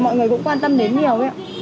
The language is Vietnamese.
mọi người cũng quan tâm đến nhiều ạ